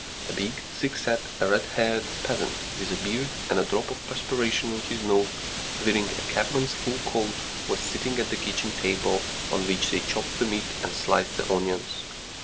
A big, thick set, red haired peasant, with a beard, and a drop of perspiration on his nose, wearing a cabman's full coat, was sitting at the kitchen table on which they chopped the meat and sliced the onions.